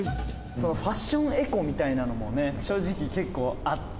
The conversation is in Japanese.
そのファッションエコみたいなのもね、正直、結構あって。